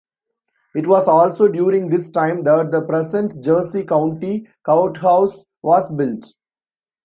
It was also during this time that the present Jersey County Courthouse was built.